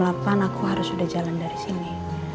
jam delapan aku harus udah jalan dari sini